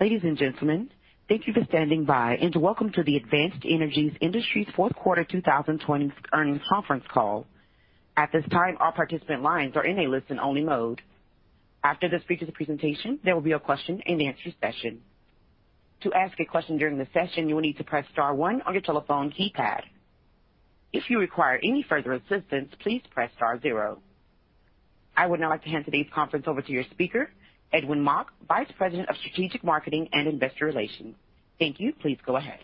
Ladies and gentlemen, thank you for standing by and welcome to the Advanced Energy Industries fourth quarter 2020 earnings conference call. At this time, all participant lines are in a listen-only mode. After the speaker's presentation, there will be a question and answer session. I would now like to hand today's conference over to your speaker, Edwin Mok, Vice President of Strategic Marketing and Investor Relations. Thank you. Please go ahead.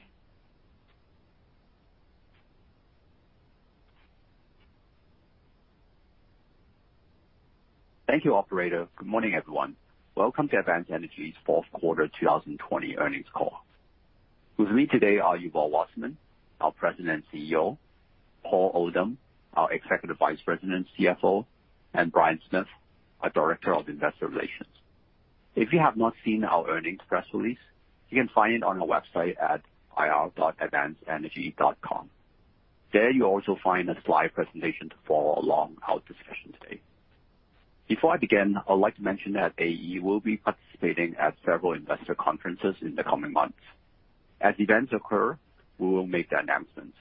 Thank you, operator. Good morning, everyone. Welcome to Advanced Energy's fourth quarter 2020 earnings call. With me today are Yuval Wasserman, our President and CEO, Paul Oldham, our Executive Vice President and CFO, and Brian Smith, our Director of Investor Relations. If you have not seen our earnings press release, you can find it on our website at ir.advancedenergy.com. There you'll also find a slide presentation to follow along our discussion today. Before I begin, I'd like to mention that AE will be participating at several investor conferences in the coming months. As events occur, we will make that announcement.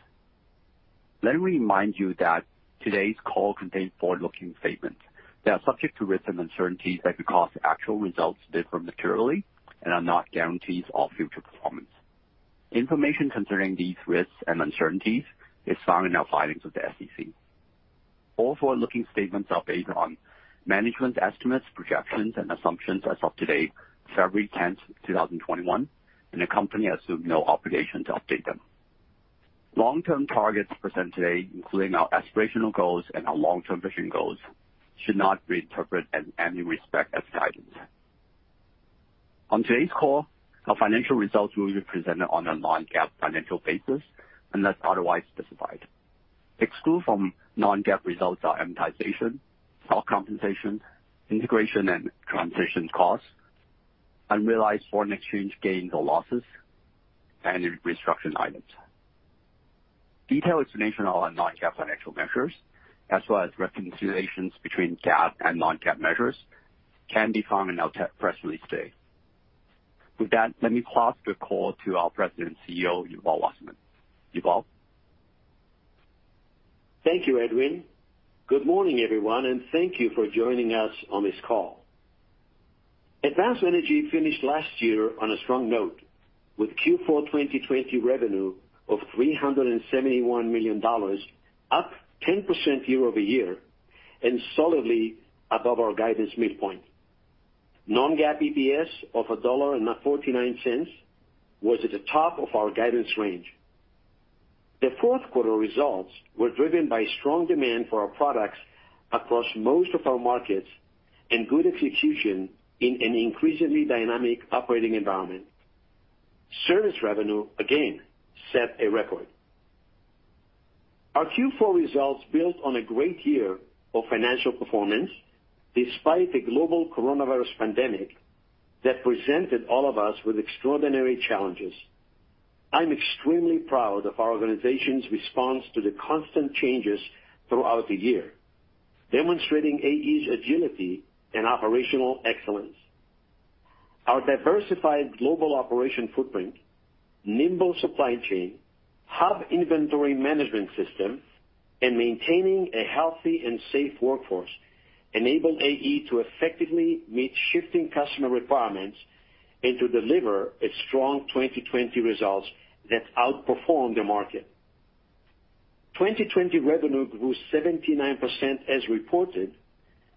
Let me remind you that today's call contains forward-looking statements that are subject to risks and uncertainties that could cause actual results to differ materially and are not guarantees of future performance. Information concerning these risks and uncertainties is found in our filings with the SEC. All forward-looking statements are based on management estimates, projections, and assumptions as of today, February 10th, 2021, and the company assumes no obligation to update them. Long-term targets presented today, including our aspirational goals and our long-term vision goals, should not be interpreted in any respect as guidance. On today's call, our financial results will be presented on a non-GAAP financial basis unless otherwise specified. Excluded from non-GAAP results are amortization, stock compensation, integration and transition costs, unrealized foreign exchange gains or losses, and restructuring items. Detailed explanation on our non-GAAP financial measures, as well as reconciliations between GAAP and non-GAAP measures, can be found in our press release today. With that, let me pass the call to our President and CEO, Yuval Wasserman. Yuval? Thank you, Edwin. Good morning, everyone, and thank you for joining us on this call. Advanced Energy finished last year on a strong note with Q4 2020 revenue of $371 million, up 10% year-over-year, and solidly above our guidance midpoint. Non-GAAP EPS of $1.49 was at the top of our guidance range. The fourth quarter results were driven by strong demand for our products across most of our markets and good execution in an increasingly dynamic operating environment. Service revenue again set a record. Our Q4 results built on a great year of financial performance despite the global coronavirus pandemic that presented all of us with extraordinary challenges. I'm extremely proud of our organization's response to the constant changes throughout the year, demonstrating AE's agility and operational excellence. Our diversified global operation footprint, nimble supply chain, hub inventory management system, and maintaining a healthy and safe workforce enabled AE to effectively meet shifting customer requirements and to deliver its strong 2020 results that outperformed the market. 2020 revenue grew 79% as reported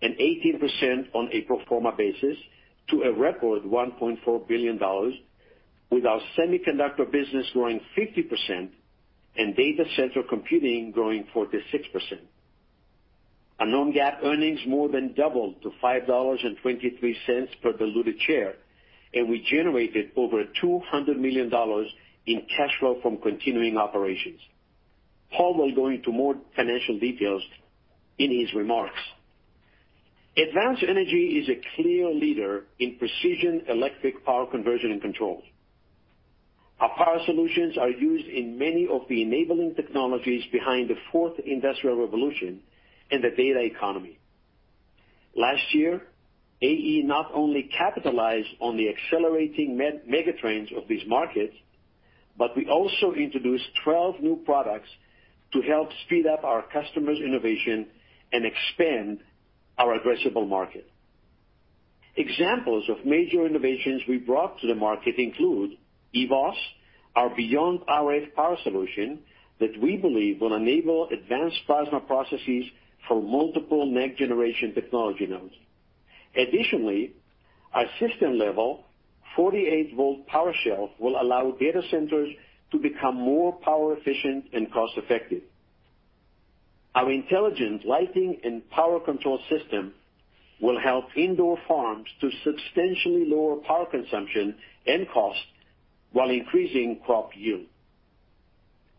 and 18% on a pro forma basis to a record $1.4 billion with our semiconductor business growing 50% and data center computing growing 46%. Our non-GAAP earnings more than doubled to $5.23 per diluted share, and we generated over $200 million in cash flow from continuing operations. Paul will go into more financial details in his remarks. Advanced Energy is a clear leader in precision electric power conversion and control. Our power solutions are used in many of the enabling technologies behind the fourth industrial revolution and the data economy. Last year, AE not only capitalized on the accelerating mega trends of these markets, but we also introduced 12 new products to help speed up our customers' innovation and expand our addressable market. Examples of major innovations we brought to the market include eVoS, our beyond RF power solution that we believe will enable advanced plasma processes for multiple next-generation technology nodes. Additionally, our system-level 48-volt Power Shelf will allow data centers to become more power efficient and cost-effective. Our intelligent lighting and power control system will help indoor farms to substantially lower power consumption and cost while increasing crop yield.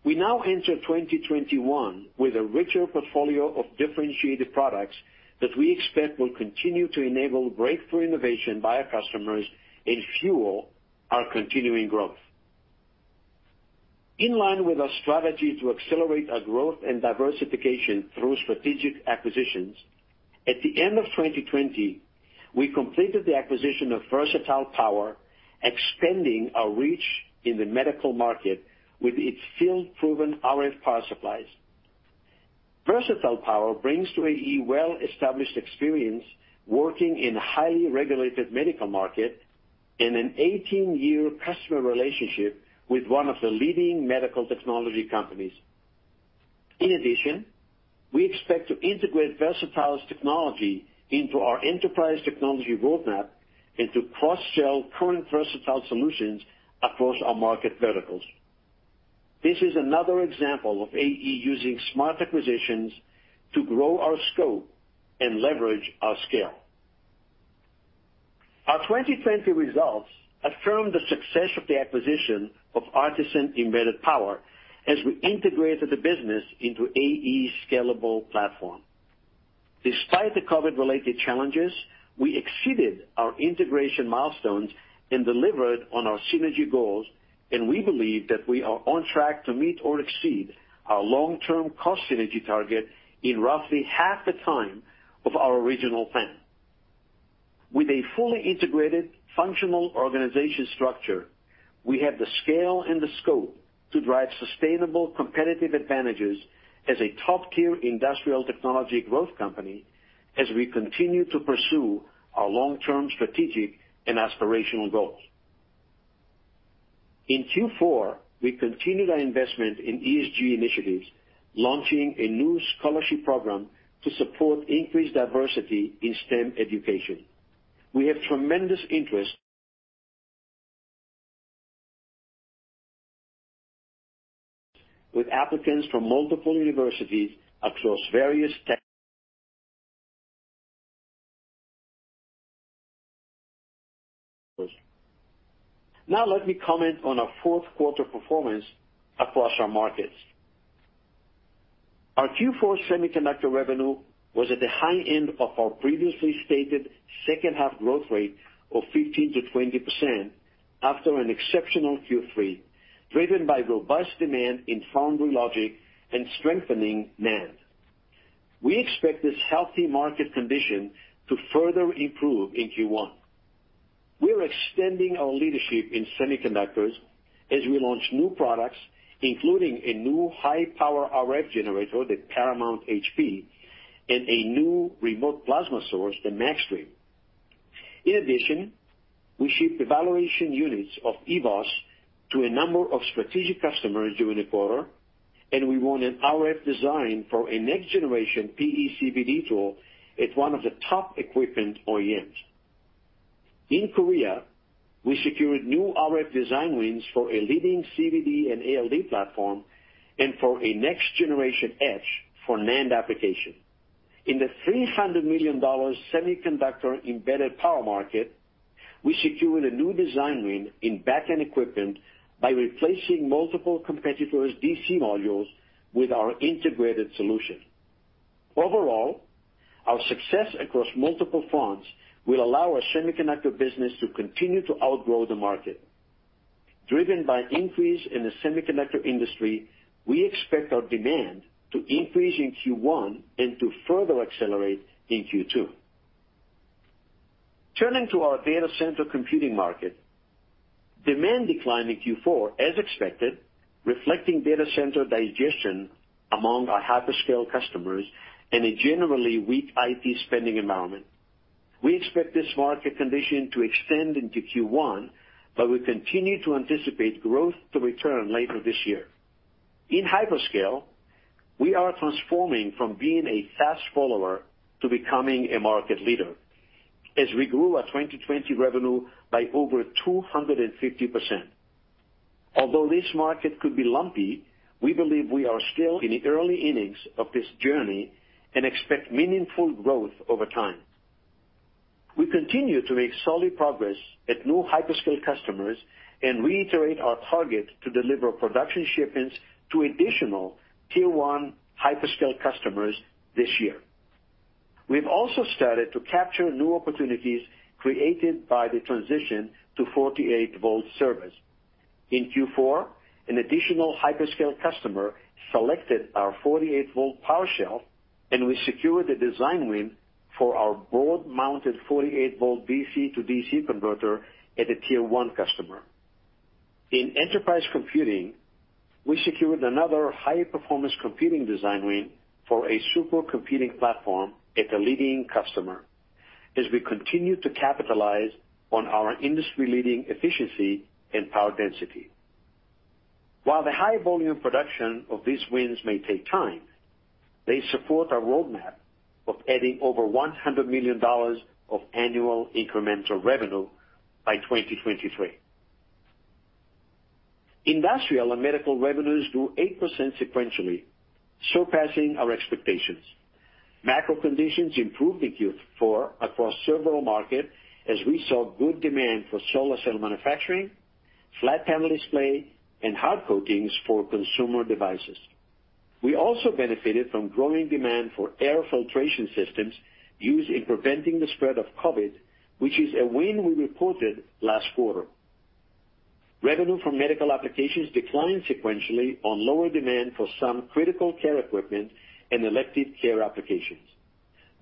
We now enter 2021 with a richer portfolio of differentiated products that we expect will continue to enable breakthrough innovation by our customers and fuel our continuing growth. In line with our strategy to accelerate our growth and diversification through strategic acquisitions, at the end of 2020, we completed the acquisition of Versatile Power, extending our reach in the medical market with its field-proven RF power supplies. Versatile Power brings to AE well-established experience working in highly regulated medical market and an 18-year customer relationship with one of the leading medical technology companies. In addition, we expect to integrate Versatile's technology into our enterprise technology roadmap and to cross-sell current Versatile solutions across our market verticals. This is another example of AE using smart acquisitions to grow our scope and leverage our scale. Our 2020 results affirm the success of the acquisition of Artesyn Embedded Power as we integrated the business into AE scalable platform. Despite the COVID-19-related challenges, we exceeded our integration milestones and delivered on our synergy goals, we believe that we are on track to meet or exceed our long-term cost synergy target in roughly half the time of our original plan. With a fully integrated functional organization structure, we have the scale and the scope to drive sustainable competitive advantages as a top-tier industrial technology growth company, as we continue to pursue our long-term strategic and aspirational goals. In Q4, we continued our investment in ESG initiatives, launching a new scholarship program to support increased diversity in STEM education. We have tremendous interest with applicants from multiple universities. Now let me comment on our fourth quarter performance across our markets. Our Q4 semiconductor revenue was at the high end of our previously stated second half growth rate of 15%-20% after an exceptional Q3, driven by robust demand in foundry logic and strengthening NAND. We expect this healthy market condition to further improve in Q1. We're extending our leadership in semiconductors as we launch new products, including a new high-power RF generator, the Paramount HP, and a new remote plasma source, the MAXstream. In addition, we shipped evaluation units of eVoS to a number of strategic customers during the quarter, and we won an RF design for a next-generation PECVD tool at one of the top equipment OEMs. In Korea, we secured new RF design wins for a leading CVD and ALD platform and for a next-generation etch for NAND application. In the $300 million semiconductor embedded power market, we secured a new design win in back-end equipment by replacing multiple competitors' DC modules with our integrated solution. Overall, our success across multiple fronts will allow our semiconductor business to continue to outgrow the market. Driven by increase in the semiconductor industry, we expect our demand to increase in Q1 and to further accelerate in Q2. Turning to our data center computing market, demand declined in Q4 as expected, reflecting data center digestion among our hyperscale customers and a generally weak IT spending environment. We expect this market condition to extend into Q1, we continue to anticipate growth to return later this year. In hyperscale, we are transforming from being a fast follower to becoming a market leader as we grew our 2020 revenue by over 250%. Although this market could be lumpy, we believe we are still in the early innings of this journey and expect meaningful growth over time. We continue to make solid progress at new hyperscale customers and reiterate our target to deliver production shipments to additional Tier 1 hyperscale customers this year. We've also started to capture new opportunities created by the transition to 48-volt servers. In Q4, an additional hyperscale customer selected our 48-volt Power Shelf, and we secured a design win for our board-mounted 48-volt DC to DC converter at a Tier 1 customer. In enterprise computing, we secured another high-performance computing design win for a supercomputing platform at a leading customer as we continue to capitalize on our industry-leading efficiency and power density. While the high volume production of these wins may take time, they support our roadmap of adding over $100 million of annual incremental revenue by 2023. Industrial and medical revenues grew 8% sequentially, surpassing our expectations. Macro conditions improved in Q4 across several markets as we saw good demand for solar cell manufacturing, flat panel display, and hard coatings for consumer devices. We also benefited from growing demand for air filtration systems used in preventing the spread of COVID, which is a win we reported last quarter. Revenue from medical applications declined sequentially on lower demand for some critical care equipment and elective care applications.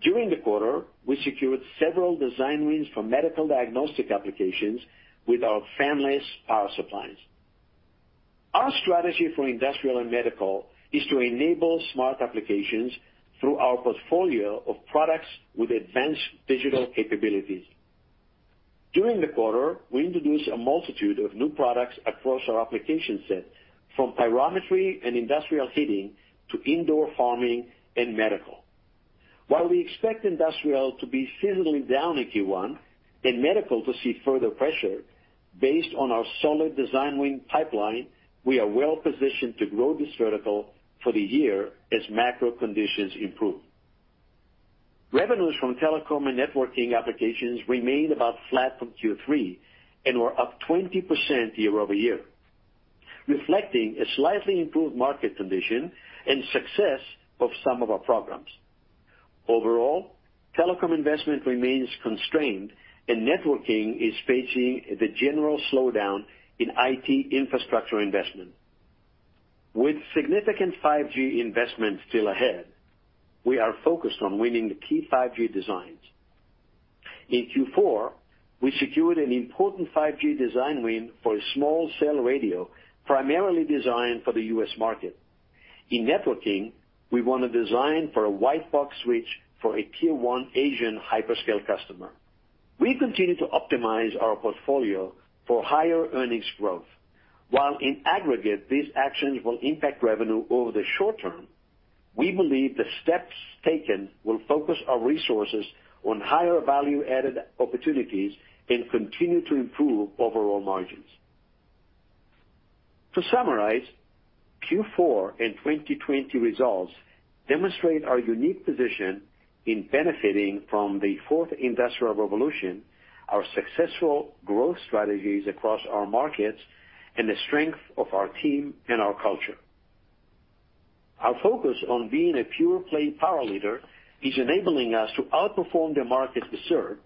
During the quarter, we secured several design wins for medical diagnostic applications with our fanless power supplies. Our strategy for industrial and medical is to enable smart applications through our portfolio of products with advanced digital capabilities. During the quarter, we introduced a multitude of new products across our application set, from pyrometry and industrial heating to indoor farming and medical. While we expect industrial to be seasonally down in Q1 and medical to see further pressure, based on our solid design win pipeline, we are well-positioned to grow this vertical for the year as macro conditions improve. Revenues from telecom and networking applications remained about flat from Q3 and were up 20% year-over-year, reflecting a slightly improved market condition and success of some of our programs. Overall, telecom investment remains constrained, and networking is facing the general slowdown in IT infrastructure investment. With significant 5G investment still ahead, we are focused on winning the key 5G designs. In Q4, we secured an important 5G design win for a small cell radio, primarily designed for the U.S. market. In networking, we won a design for a white box switch for a tier-1 Asian hyperscale customer. We continue to optimize our portfolio for higher earnings growth. While in aggregate, these actions will impact revenue over the short term, we believe the steps taken will focus our resources on higher value-added opportunities and continue to improve overall margins. To summarize, Q4 and 2020 results demonstrate our unique position in benefiting from the fourth industrial revolution, our successful growth strategies across our markets, and the strength of our team and our culture. Our focus on being a pure-play power leader is enabling us to outperform the market we serve,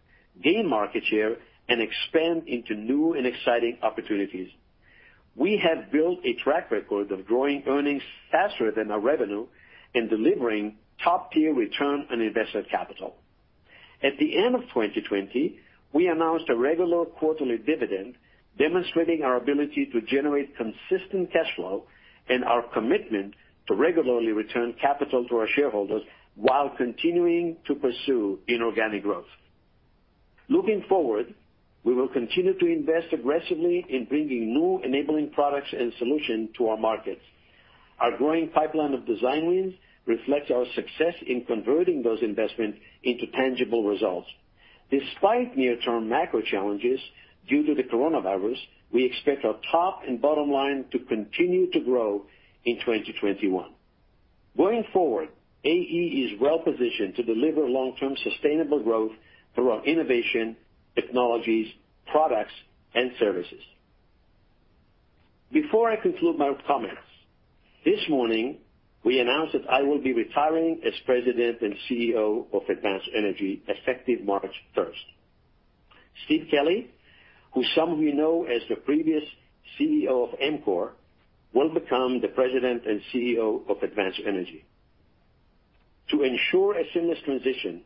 gain market share, and expand into new and exciting opportunities. We have built a track record of growing earnings faster than our revenue and delivering top-tier return on invested capital. At the end of 2020, we announced a regular quarterly dividend, demonstrating our ability to generate consistent cash flow and our commitment to regularly return capital to our shareholders while continuing to pursue inorganic growth. Looking forward, we will continue to invest aggressively in bringing new enabling products and solution to our markets. Our growing pipeline of design wins reflects our success in converting those investments into tangible results. Despite near-term macro challenges due to the coronavirus, we expect our top and bottom line to continue to grow in 2021. Going forward, AE is well-positioned to deliver long-term sustainable growth through our innovation, technologies, products, and services. Before I conclude my comments, this morning, we announced that I will be retiring as President and CEO of Advanced Energy effective March 1st. Steve Kelley, who some of you know as the previous CEO of Amkor, will become the President and CEO of Advanced Energy. To ensure a seamless transition,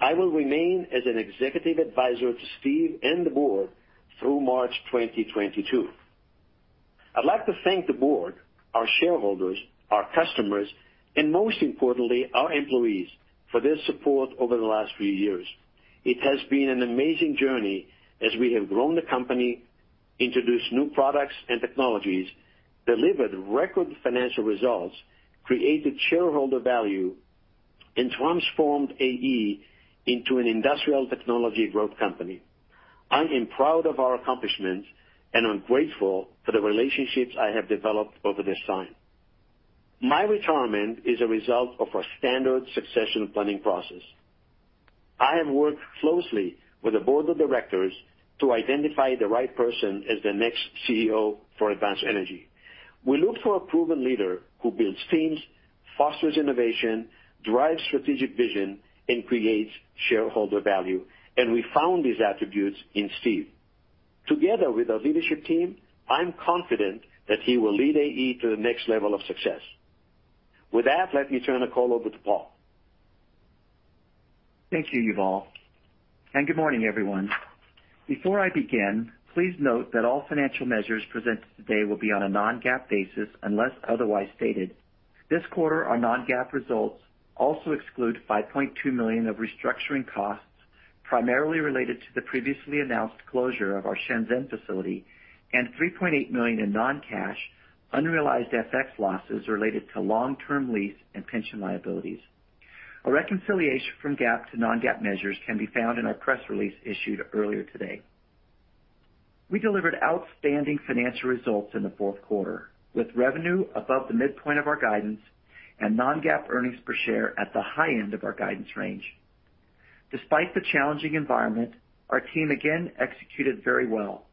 I will remain as an executive advisor to Steve and the board through March 2022. I'd like to thank the board, our shareholders, our customers, and most importantly, our employees, for their support over the last few years. It has been an amazing journey as we have grown the company, introduced new products and technologies, delivered record financial results, created shareholder value, and transformed AE into an industrial technology growth company. I am proud of our accomplishments, and I'm grateful for the relationships I have developed over this time. My retirement is a result of our standard succession planning process. I have worked closely with the board of directors to identify the right person as the next CEO for Advanced Energy. We looked for a proven leader who builds teams, fosters innovation, drives strategic vision, and creates shareholder value, and we found these attributes in Steve. Together with our leadership team, I'm confident that he will lead AE to the next level of success. With that, let me turn the call over to Paul. Thank you, Yuval, and good morning, everyone. Before I begin, please note that all financial measures presented today will be on a non-GAAP basis unless otherwise stated. This quarter, our non-GAAP results also exclude $5.2 million of restructuring costs, primarily related to the previously announced closure of our Shenzhen facility, and $3.8 million in non-cash unrealized FX losses related to long-term lease and pension liabilities. A reconciliation from GAAP to non-GAAP measures can be found in our press release issued earlier today. We delivered outstanding financial results in the fourth quarter, with revenue above the midpoint of our guidance and non-GAAP earnings per share at the high end of our guidance range. Despite the challenging environment, our team again executed very well,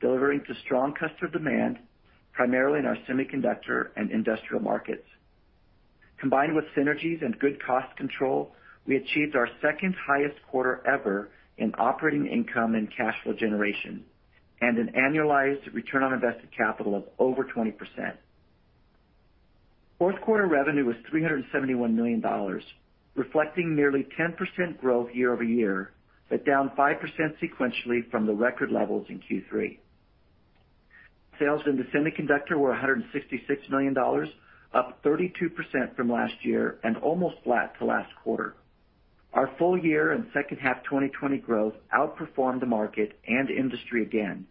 delivering to strong customer demand, primarily in our semiconductor and industrial markets. Combined with synergies and good cost control, we achieved our second highest quarter ever in operating income and cash flow generation, and an annualized return on invested capital of over 20%. Fourth quarter revenue was $371 million, reflecting nearly 10% growth year-over-year, but down 5% sequentially from the record levels in Q3. Sales into semiconductor were $166 million, up 32% from last year and almost flat to last quarter. Our full year and second half 2020 growth outperformed the market and industry again,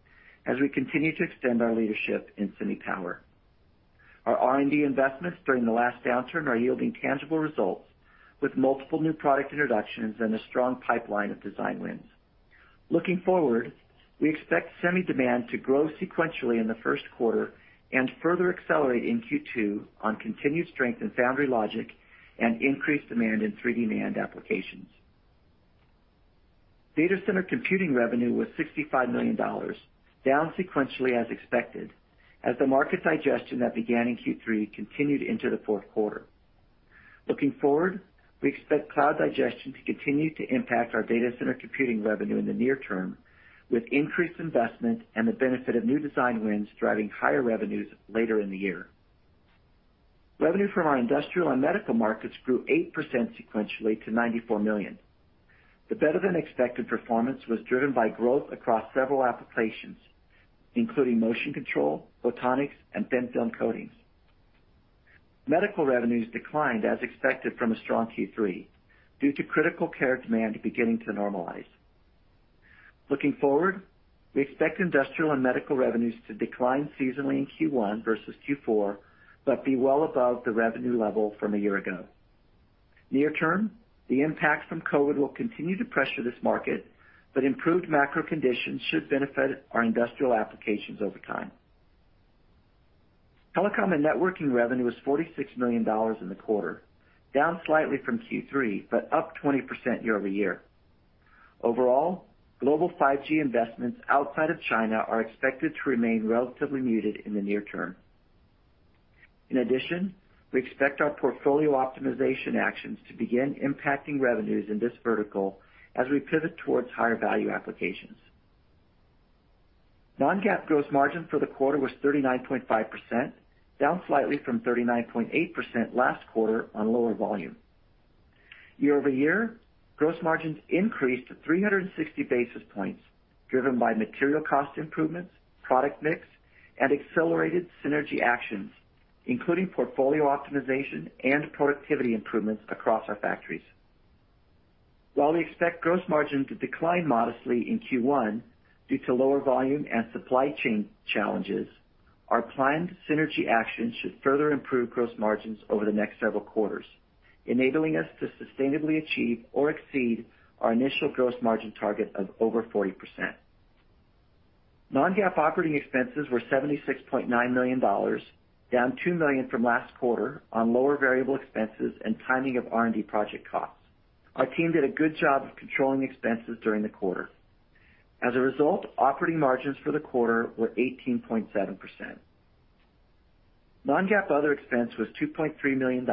as we continue to extend our leadership in semi power. Our R&D investments during the last downturn are yielding tangible results, with multiple new product introductions and a strong pipeline of design wins. Looking forward, we expect semi demand to grow sequentially in the first quarter and further accelerate in Q2 on continued strength in foundry logic and increased demand in 3D NAND applications. Data center computing revenue was $65 million, down sequentially as expected, as the market digestion that began in Q3 continued into the fourth quarter. Looking forward, we expect cloud digestion to continue to impact our data center computing revenue in the near term, with increased investment and the benefit of new design wins driving higher revenues later in the year. Revenue from our industrial and medical markets grew 8% sequentially to $94 million. The better than expected performance was driven by growth across several applications, including motion control, photonics, and thin film coatings. Medical revenues declined as expected from a strong Q3 due to critical care demand beginning to normalize. Looking forward, we expect industrial and medical revenues to decline seasonally in Q1 versus Q4, but be well above the revenue level from a year ago. Near term, the impact from COVID will continue to pressure this market. Improved macro conditions should benefit our industrial applications over time. Telecom and networking revenue was $46 million in the quarter, down slightly from Q3, but up 20% year-over-year. Overall, global 5G investments outside of China are expected to remain relatively muted in the near term. In addition, we expect our portfolio optimization actions to begin impacting revenues in this vertical as we pivot towards higher value applications. Non-GAAP gross margin for the quarter was 39.5%, down slightly from 39.8% last quarter on lower volume. Year-over-year, gross margins increased to 360 basis points, driven by material cost improvements, product mix, and accelerated synergy actions, including portfolio optimization and productivity improvements across our factories. While we expect gross margin to decline modestly in Q1 due to lower volume and supply chain challenges, our planned synergy actions should further improve gross margins over the next several quarters, enabling us to sustainably achieve or exceed our initial gross margin target of over 40%. Non-GAAP operating expenses were $76.9 million, down $2 million from last quarter on lower variable expenses and timing of R&D project costs. Our team did a good job of controlling expenses during the quarter. As a result, operating margins for the quarter were 18.7%. Non-GAAP other expense was $2.3 million,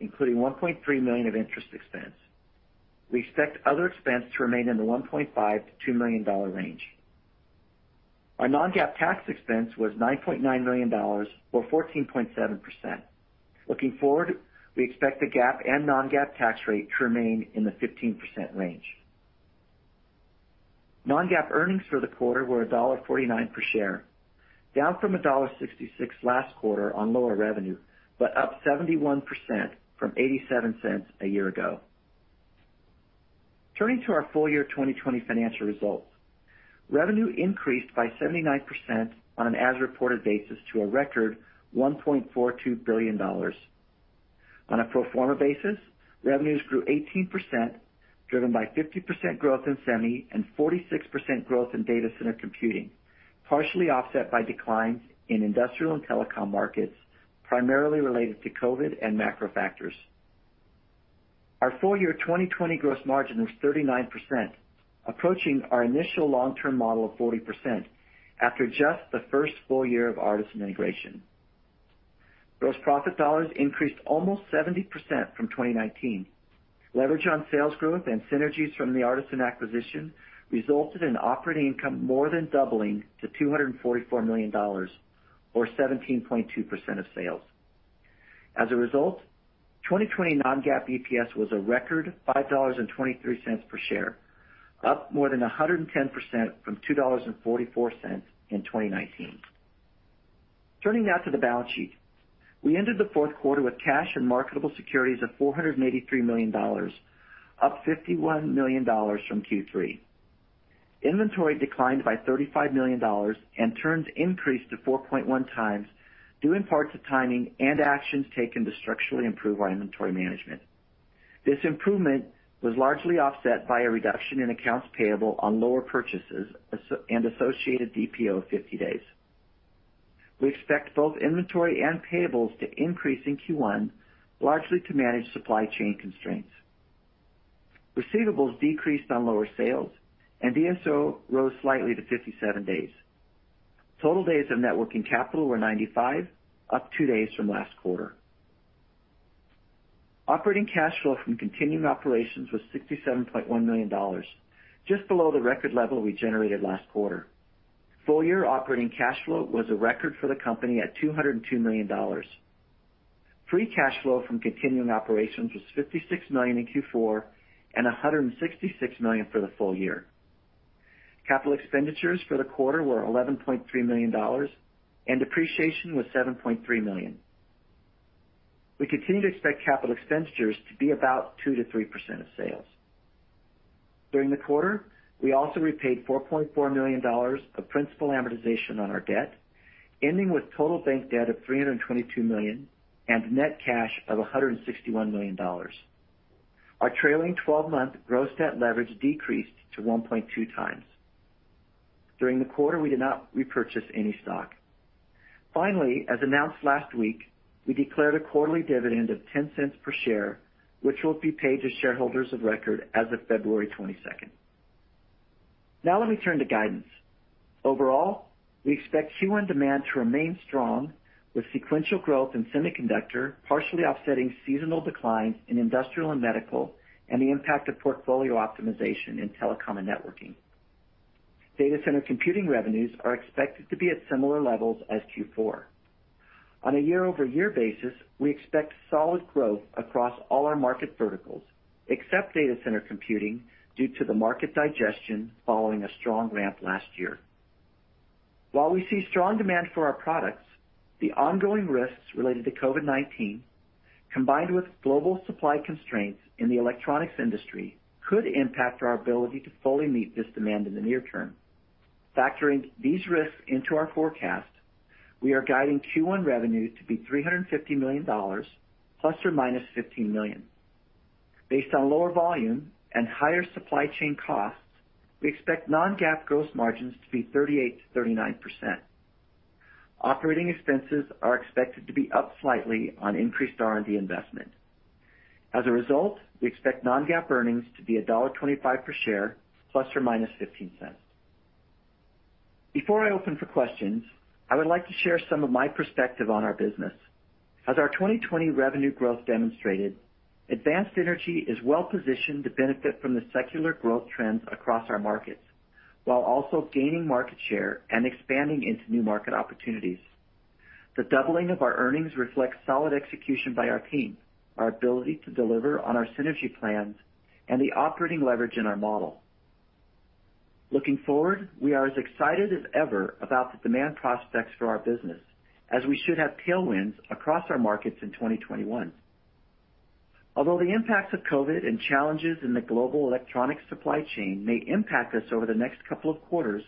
including $1.3 million of interest expense. We expect other expense to remain in the $1.5 million-$2 million range. Our non-GAAP tax expense was $9.9 million, or 14.7%. Looking forward, we expect the GAAP and non-GAAP tax rate to remain in the 15% range. Non-GAAP earnings for the quarter were $1.49 per share, down from $1.66 last quarter on lower revenue, but up 71% from $0.87 a year ago. Turning to our full year 2020 financial results. Revenue increased by 79% on an as reported basis to a record $1.42 billion. On a pro forma basis, revenues grew 18%, driven by 50% growth in semi and 46% growth in data center computing, partially offset by declines in industrial and telecom markets, primarily related to COVID-19 and macro factors. Our full year 2020 gross margin was 39%, approaching our initial long-term model of 40% after just the first full year of Artesyn integration. Gross profit dollars increased almost 70% from 2019. Leverage on sales growth and synergies from the Artesyn acquisition resulted in operating income more than doubling to $244 million, or 17.2% of sales. As a result, 2020 non-GAAP EPS was a record $5.23 per share, up more than 110% from $2.44 in 2019. Turning now to the balance sheet. We ended the fourth quarter with cash and marketable securities of $483 million, up $51 million from Q3. Inventory declined by $35 million and turns increased to 4.1x due in part to timing and actions taken to structurally improve our inventory management. This improvement was largely offset by a reduction in accounts payable on lower purchases and associated DPO of 50 days. We expect both inventory and payables to increase in Q1, largely to manage supply chain constraints. Receivables decreased on lower sales, and DSO rose slightly to 57 days. Total days of net working capital were 95, up two days from last quarter. Operating cash flow from continuing operations was $67.1 million, just below the record level we generated last quarter. Full-year operating cash flow was a record for the company at $202 million. Free cash flow from continuing operations was $56 million in Q4 and $166 million for the full year. Capital expenditures for the quarter were $11.3 million, and depreciation was $7.3 million. We continue to expect capital expenditures to be about 2%-3% of sales. During the quarter, we also repaid $4.4 million of principal amortization on our debt, ending with total bank debt of $322 million and net cash of $161 million. Our trailing 12-month gross debt leverage decreased to 1.2x. During the quarter, we did not repurchase any stock. Finally, as announced last week, we declared a quarterly dividend of $0.10 per share, which will be paid to shareholders of record as of February 22nd. Now let me turn to guidance. Overall, we expect Q1 demand to remain strong with sequential growth in semiconductor partially offsetting seasonal declines in industrial and medical and the impact of portfolio optimization in telecom and networking. Data center computing revenues are expected to be at similar levels as Q4. On a year-over-year basis, we expect solid growth across all our market verticals, except data center computing, due to the market digestion following a strong ramp last year. While we see strong demand for our products, the ongoing risks related to COVID-19, combined with global supply constraints in the electronics industry, could impact our ability to fully meet this demand in the near term. Factoring these risks into our forecast, we are guiding Q1 revenue to be $350 million ±$15 million. Based on lower volume and higher supply chain costs, we expect non-GAAP gross margins to be 38%-39%. Operating expenses are expected to be up slightly on increased R&D investment. As a result, we expect non-GAAP earnings to be $1.25 per share, ±$0.15. Before I open for questions, I would like to share some of my perspective on our business. As our 2020 revenue growth demonstrated, Advanced Energy is well positioned to benefit from the secular growth trends across our markets, while also gaining market share and expanding into new market opportunities. The doubling of our earnings reflects solid execution by our team, our ability to deliver on our synergy plans, and the operating leverage in our model. Looking forward, we are as excited as ever about the demand prospects for our business, as we should have tailwinds across our markets in 2021. Although the impacts of COVID-19 and challenges in the global electronic supply chain may impact us over the next couple of quarters,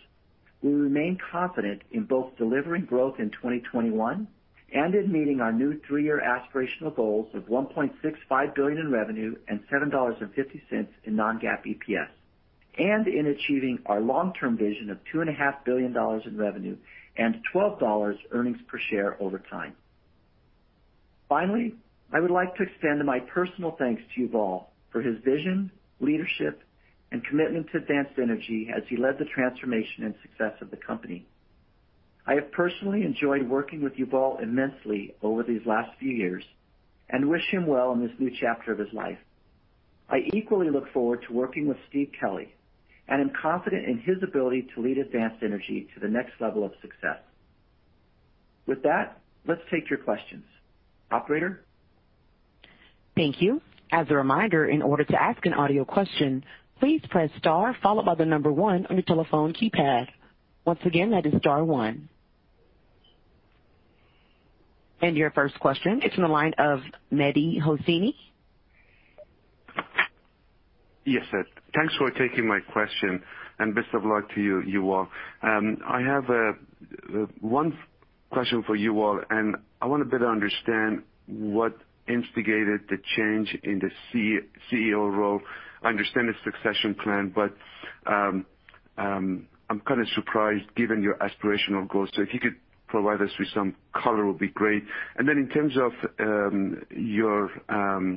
we remain confident in both delivering growth in 2021 and in meeting our new three-year aspirational goals of $1.65 billion in revenue and $7.50 in non-GAAP EPS, and in achieving our long-term vision of $2.5 billion in revenue and $12 earnings per share over time. Finally, I would like to extend my personal thanks to Yuval for his vision, leadership, and commitment to Advanced Energy as he led the transformation and success of the company. I have personally enjoyed working with Yuval immensely over these last few years and wish him well in this new chapter of his life. I equally look forward to working with Steve Kelley and am confident in his ability to lead Advanced Energy to the next level of success. With that, let's take your questions. Operator? Thank you. As a reminder, in order to ask an audio question, please press star followed by the number one on your telephone keypad. Once again, that is star one. Your first question is on the line of Mehdi Hosseini. Yes. Thanks for taking my question, and best of luck to you, Yuval. I have one question for Yuval, and I want to better understand what instigated the change in the CEO role. I understand the succession plan, but I'm kind of surprised given your aspirational goals. If you could provide us with some color, it would be great. In terms of your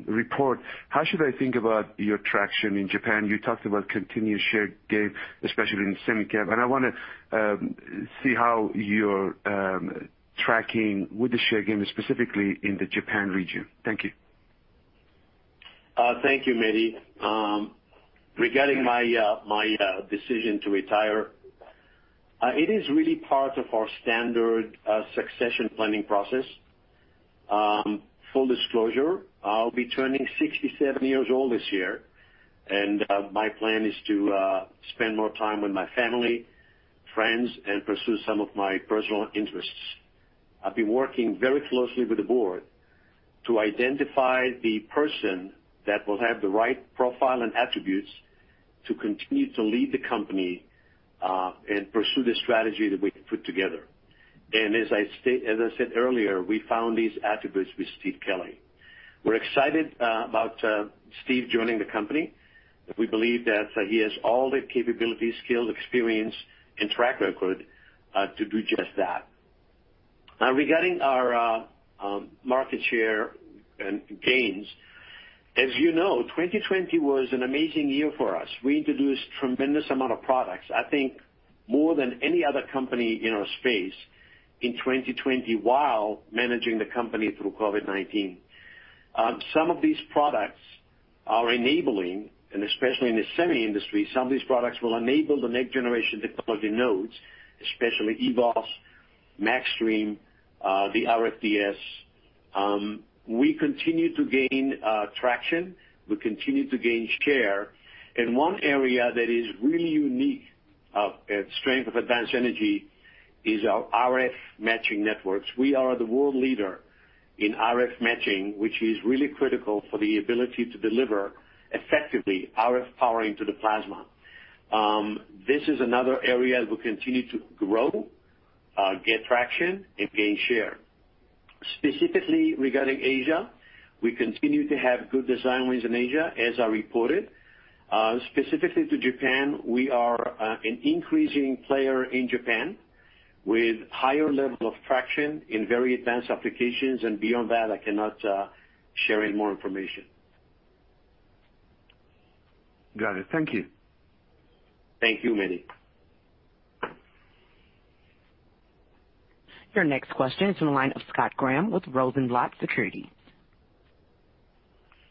report, how should I think about your traction in Japan? You talked about continued share gain, especially in semicap, and I want to see how you're tracking with the share gain, specifically in the Japan region. Thank you. Thank you, Mehdi. Regarding my decision to retire, it is really part of our standard succession planning process. Full disclosure, I'll be turning 67 years old this year, and my plan is to spend more time with my family, friends, and pursue some of my personal interests. I've been working very closely with the board to identify the person that will have the right profile and attributes to continue to lead the company and pursue the strategy that we put together. As I said earlier, we found these attributes with Steve Kelley. We're excited about Steve joining the company. We believe that he has all the capabilities, skills, experience, and track record to do just that. Regarding our market share and gains, as you know, 2020 was an amazing year for us. We introduced a tremendous amount of products, I think more than any other company in our space in 2020, while managing the company through COVID-19. Some of these products are enabling, especially in the semi industry, some of these products will enable the next-generation technology nodes, especially eVoS, MAXstream, the RFDS. We continue to gain traction. We continue to gain share. One area that is really unique, a strength of Advanced Energy, is our RF matching networks. We are the world leader in RF matching, which is really critical for the ability to deliver effectively RF powering to the plasma. This is another area that will continue to grow, gain traction, and gain share. Specifically regarding Asia, we continue to have good design wins in Asia, as I reported. Specifically to Japan, we are an increasing player in Japan with a higher level of traction in very advanced applications, and beyond that, I cannot share any more information. Got it. Thank you. Thank you, Mehdi. Your next question is on the line of Scott Graham with Rosenblatt Securities.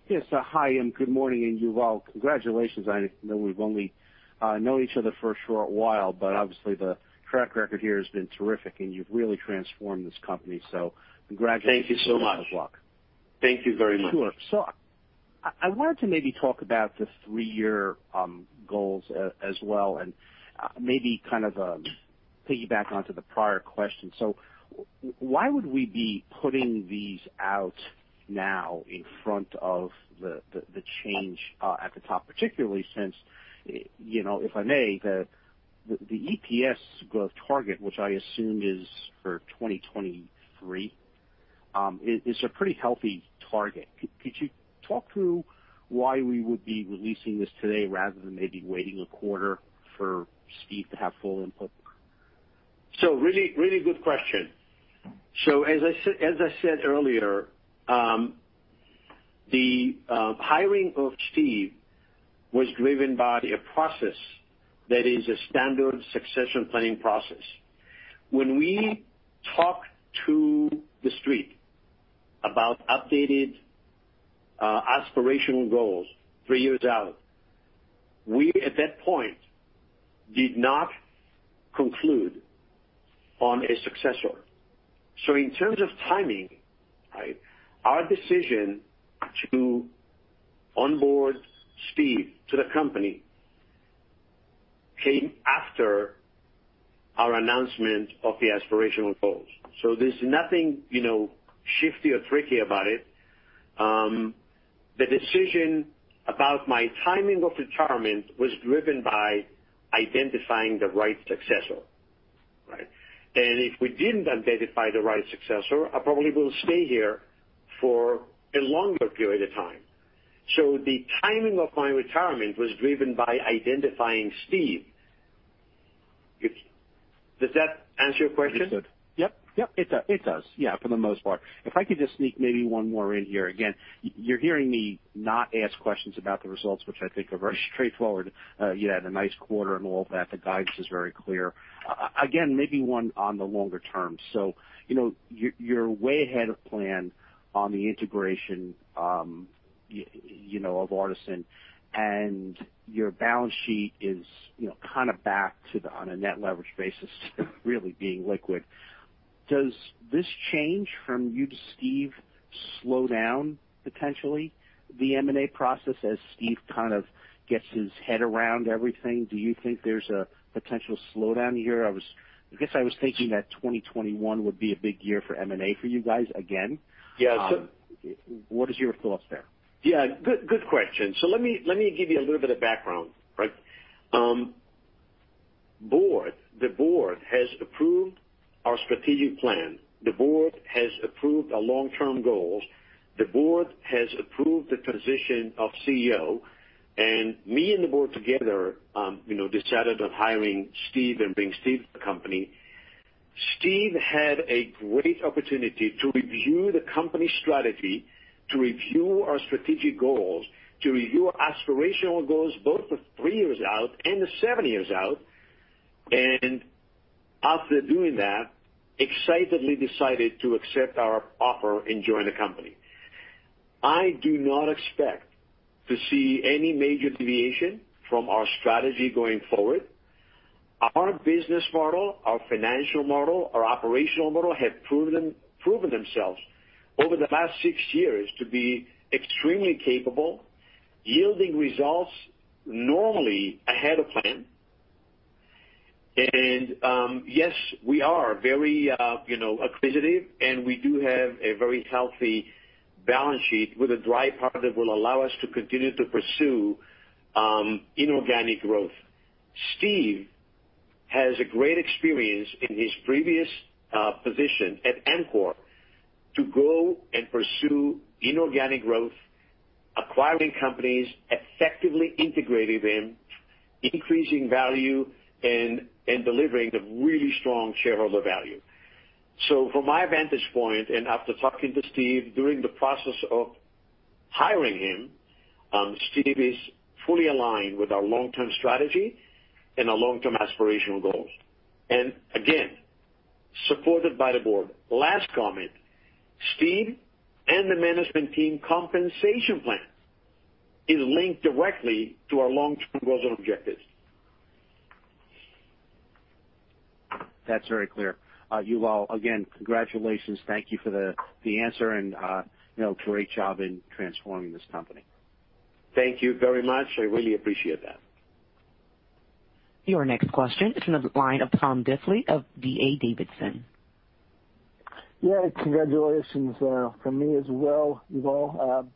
Yes. Hi, and good morning. Yuval, congratulations. I know we've only known each other for a short while. Obviously the track record here has been terrific. You've really transformed this company. Congratulations. Thank you so much. Good luck. Thank you very much. I wanted to maybe talk about the three-year goals as well, and maybe kind of piggyback onto the prior question. Why would we be putting these out now in front of the change at the top? Particularly since, if I may, the EPS growth target, which I assume is for 2023, is a pretty healthy target. Could you talk through why we would be releasing this today rather than maybe waiting a quarter for Steve to have full input? Really good question. As I said earlier, the hiring of Steve was driven by a process that is a standard succession planning process. When we talked to the Street about updated aspirational goals three years out, we, at that point, did not conclude on a successor. In terms of timing, our decision to onboard Steve to the company came after our announcement of the aspirational goals. There's nothing shifty or tricky about it. The decision about my timing of retirement was driven by identifying the right successor. If we didn't identify the right successor, I probably will stay here for a longer period of time. The timing of my retirement was driven by identifying Steve. Does that answer your question? It did. Yep. It does. Yeah, for the most part. If I could just sneak maybe one more in here. Again, you're hearing me not ask questions about the results, which I think are very straightforward. You had a nice quarter and all of that. The guidance is very clear. Again, maybe one on the longer term. You're way ahead of plan on the integration of Artesyn, and your balance sheet is kind of back to, on a net leverage basis, really being liquid. Does this change from you to Steve slow down potentially the M&A process as Steve kind of gets his head around everything? Do you think there's a potential slowdown here? I guess I was thinking that 2021 would be a big year for M&A for you guys again. Yeah. What is your thoughts there? Yeah. Good question. Let me give you a little bit of background. The board has approved our strategic plan. The board has approved our long-term goals. The board has approved the position of CEO, and me and the board together decided on hiring Steve and bringing Steve to the company. Steve had a great opportunity to review the company strategy, to review our strategic goals, to review aspirational goals, both the three years out and the seven years out, and after doing that, excitedly decided to accept our offer and join the company. I do not expect to see any major deviation from our strategy going forward. Our business model, our financial model, our operational model have proven themselves over the last six years to be extremely capable, yielding results normally ahead of plan. Yes, we are very acquisitive, and we do have a very healthy balance sheet with a dry powder that will allow us to continue to pursue inorganic growth. Steve has a great experience in his previous position at Amkor to grow and pursue inorganic growth, acquiring companies, effectively integrating them, increasing value, and delivering a really strong shareholder value. From my vantage point, and after talking to Steve during the process of hiring him, Steve is fully aligned with our long-term strategy and our long-term aspirational goals, and again, supported by the board. Last comment, Steve and the management team compensation plan is linked directly to our long-term goals and objectives. That's very clear. Yuval, again, congratulations. Thank you for the answer and great job in transforming this company. Thank you very much. I really appreciate that. Your next question is in the line of Tom Diffely of D.A. Davidson. Yeah, congratulations from me as well, Yuval.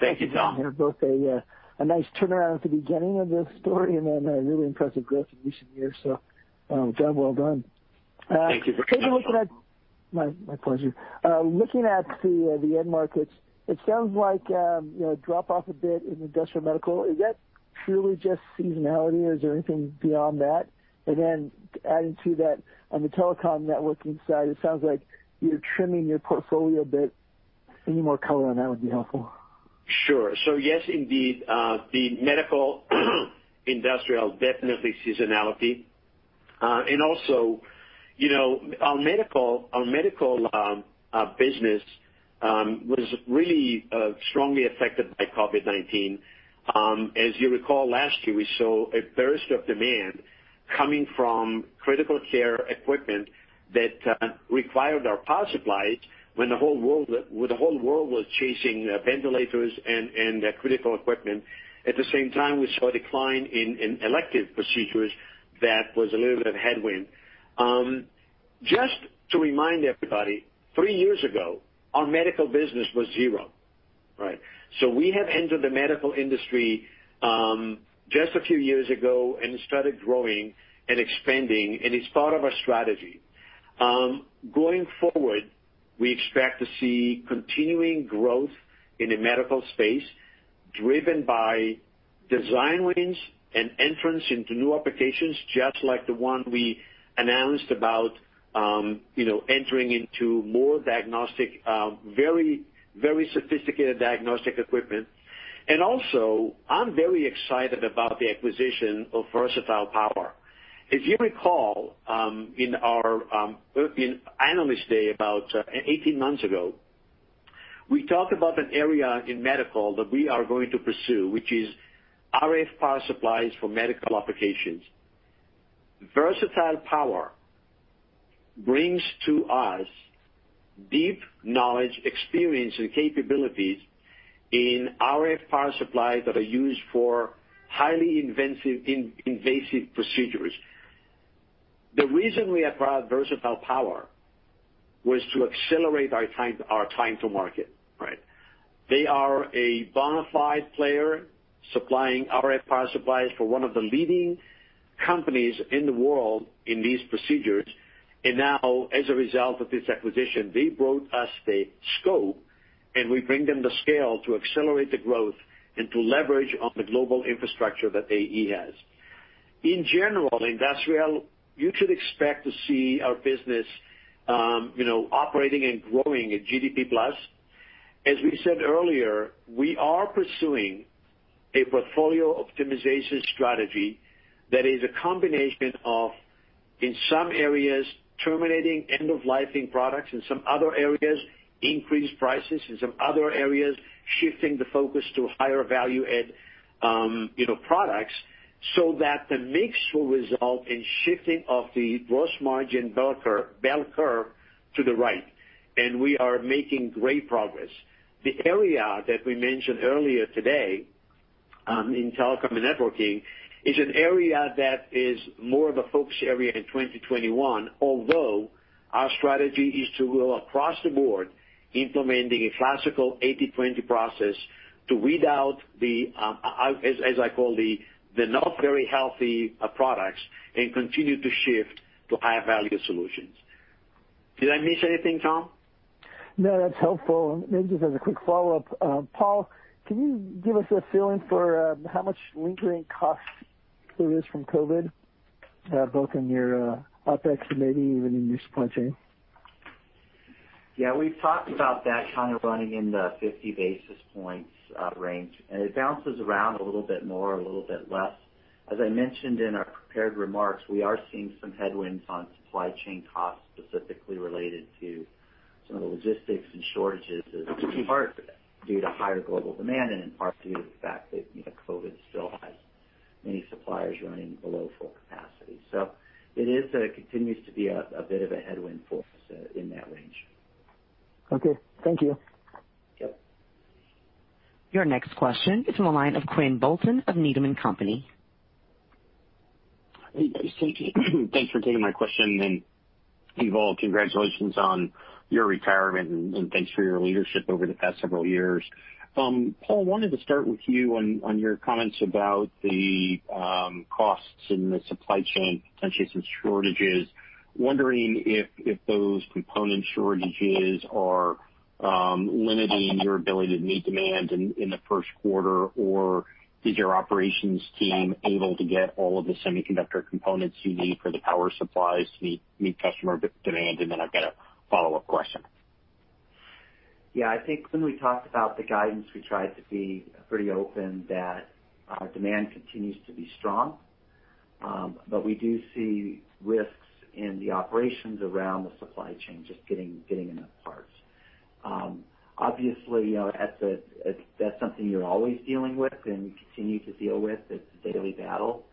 Thank you, Tom Both a nice turnaround at the beginning of this story and then a really impressive growth in recent years. Job well done. Thank you for- Taking a look at. Yeah. My pleasure. Looking at the end markets, it sounds like a drop-off a bit in industrial medical. Is that truly just seasonality, or is there anything beyond that? Adding to that, on the telecom networking side, it sounds like you're trimming your portfolio a bit. Any more color on that would be helpful. Sure. Yes, indeed, the medical-industrial, definitely seasonality. Also, our medical business was really strongly affected by COVID-19. As you recall, last year, we saw a burst of demand coming from critical care equipment that required our power supplies when the whole world was chasing ventilators and critical equipment. At the same time, we saw a decline in elective procedures that was a little bit of headwind. Just to remind everybody, three years ago, our medical business was zero. We have entered the medical industry just a few years ago and started growing and expanding, and it's part of our strategy. Going forward, we expect to see continuing growth in the medical space driven by design wins and entrance into new applications, just like the one we announced about entering into more diagnostic, very sophisticated diagnostic equipment. Also, I'm very excited about the acquisition of Versatile Power. If you recall, in our analyst day about 18 months ago, we talked about an area in medical that we are going to pursue, which is RF power supplies for medical applications. Versatile Power brings to us deep knowledge, experience, and capabilities in RF power supplies that are used for highly invasive procedures. The reason we acquired Versatile Power was to accelerate our time to market. They are a bonafide player supplying RF power supplies for one of the leading companies in the world in these procedures. Now, as a result of this acquisition, they brought us the scope, and we bring them the scale to accelerate the growth and to leverage on the global infrastructure that AE has. In general, industrial, you should expect to see our business operating and growing at GDP plus. As we said earlier, we are pursuing a portfolio optimization strategy that is a combination of, in some areas, terminating end-of-lifing products, in some other areas, increased prices, in some other areas, shifting the focus to higher value-add products, so that the mix will result in shifting of the gross margin bell curve to the right. We are making great progress. The area that we mentioned earlier today, in telecom and networking, is an area that is more of a focus area in 2021, although our strategy is to go across the board implementing a classical 80/20 process to weed out the, as I call, the not very healthy products and continue to shift to higher-value solutions. Did I miss anything, Tom? No, that's helpful. Maybe just as a quick follow-up, Paul, can you give us a feeling for how much lingering costs there is from COVID, both in your OpEx and maybe even in your supply chain? Yeah, we've talked about that kind of running in the 50 basis points range, and it bounces around a little bit more, a little bit less. As I mentioned in our prepared remarks, we are seeing some headwinds on supply chain costs, specifically related to some of the logistics and shortages as part due to higher global demand and in part due to the fact that COVID still has many suppliers running below full capacity. It continues to be a bit of a headwind for us in that range. Okay. Thank you. Yep. Your next question is on the line of Quinn Bolton of Needham & Company. Hey, guys. Thank you. Thanks for taking my question. Yuval, congratulations on your retirement, and thanks for your leadership over the past several years. Paul, wanted to start with you on your comments about the costs in the supply chain, potentially some shortages. Wondering if those component shortages are limiting your ability to meet demand in the first quarter, or is your operations team able to get all of the semiconductor components you need for the power supplies to meet customer demand? I've got a follow-up question. Yeah, I think when we talked about the guidance, we tried to be pretty open that our demand continues to be strong, but we do see risks in the operations around the supply chain, just getting enough parts. Obviously, that's something you're always dealing with and you continue to deal with, it's a daily battle.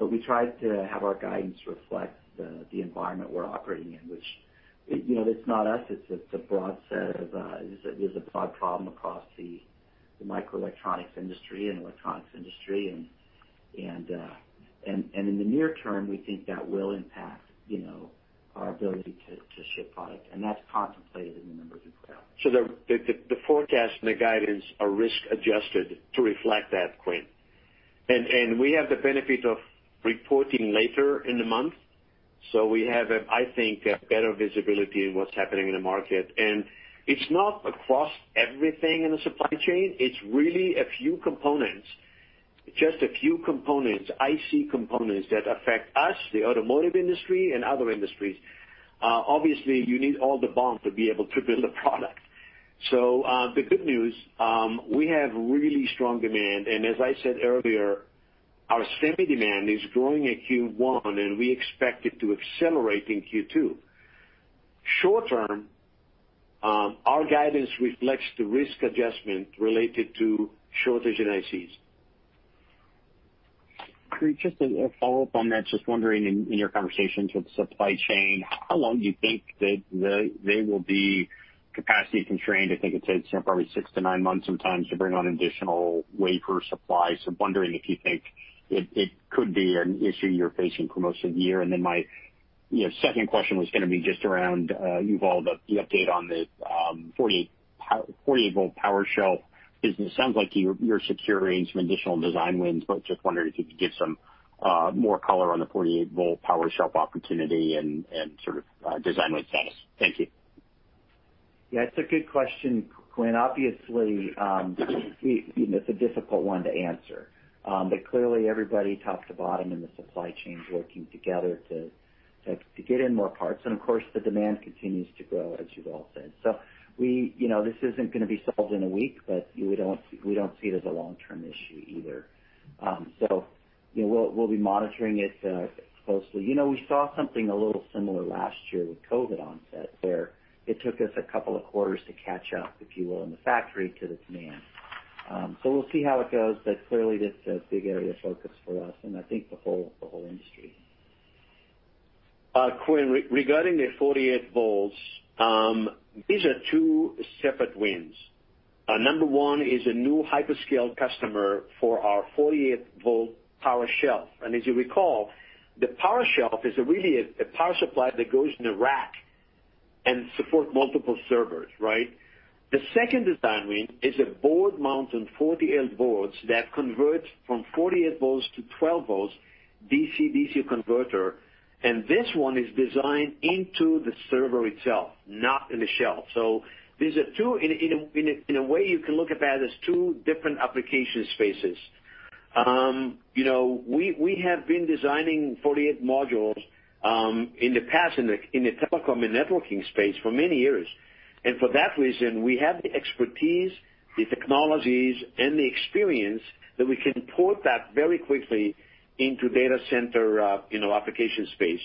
We tried to have our guidance reflect the environment we're operating in, which it's not us, it's a broad problem across the microelectronics industry and electronics industry. In the near term, we think that will impact our ability to ship product. That's contemplated in the numbers we put out. The forecast and the guidance are risk-adjusted to reflect that, Quinn. We have the benefit of reporting later in the month, so we have, I think, better visibility in what's happening in the market. It's not across everything in the supply chain. It's really a few components, just a few components, IC components that affect us, the automotive industry, and other industries. Obviously, you need all the BOM to be able to build a product. The good news, we have really strong demand, and as I said earlier, our semi demand is growing at Q1, and we expect it to accelerate in Q2. Short term, our guidance reflects the risk adjustment related to shortage in ICs. Just a follow-up on that. Just wondering in your conversations with the supply chain, how long do you think that they will be capacity constrained? I think it takes probably six to nine months sometimes to bring on additional wafer supply. Wondering if you think it could be an issue you're facing for most of the year. Then my second question was going to be just around Yuval, the update on the 48-volt Power Shelf business. Sounds like you're securing some additional design wins, but just wondering if you could give some more color on the 48-volt Power Shelf opportunity and sort of design win status. Thank you. Yeah, it's a good question, Quinn. Obviously, it's a difficult one to answer. Clearly everybody top to bottom in the supply chain is working together to get in more parts, and of course, the demand continues to grow, as Yuval said. This isn't going to be solved in a week, but we don't see it as a long-term issue either. We'll be monitoring it closely. We saw something a little similar last year with COVID onset, where it took us a couple of quarters to catch up, if you will, in the factory to the demand. We'll see how it goes, but clearly that's a big area of focus for us and I think the whole industry. Quinn, regarding the 48 volts, these are two separate wins. Number one is a new hyperscale customer for our 48-volt Power Shelf. As you recall, the Power Shelf is really a power supply that goes in a rack and supports multiple servers, right? The second design win is a board-mounted 48 volts that converts from 48 volts to 12 volts DC-DC converter. This one is designed into the server itself, not in the Shelf. These are two, in a way you can look at that as two different application spaces. We have been designing 48 modules in the past in the telecom and networking space for many years. For that reason, we have the expertise, the technologies, and the experience that we can port that very quickly into data center application space.